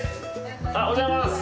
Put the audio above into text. おはようございます。